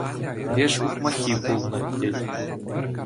Леш ухмаххи пулнӑ, тет.